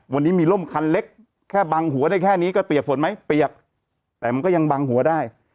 วันนี้มีร่มคันเล็กแค่บังหัวได้แค่นี้ก็เปียกฝนไหมเปียกแต่มันก็ยังบังหัวได้